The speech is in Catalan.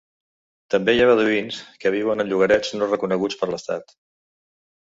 També hi ha beduïns que viuen en llogarets no reconeguts per l'estat.